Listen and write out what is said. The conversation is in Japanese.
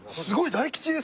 大吉です！